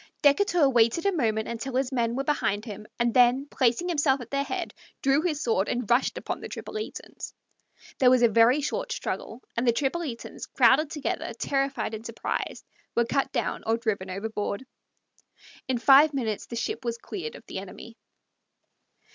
Decatur waited a moment until his men were behind him, and then, placing himself at their head, drew his sword and rushed upon the Tripolitans. There was a very short struggle, and the Tripolitans, crowded together, terrified and surprised, were cut down or driven overboard. In five minutes the ship was cleared of the enemy.